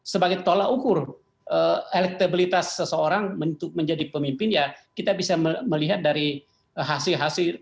sebagai tolak ukur elektabilitas seseorang untuk menjadi pemimpin ya kita bisa melihat dari hasil hasil